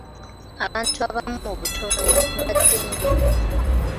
Abantu abamu mu butonde ba ddembe.